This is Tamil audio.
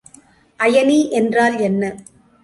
அயனி என்றால் என்ன?